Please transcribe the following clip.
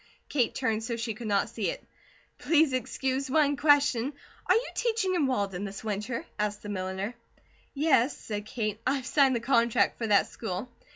Kate turned so she could not see it. "Please excuse one question. Are you teaching in Walden this winter?" asked the milliner. "Yes," said Kate. "I have signed the contract for that school."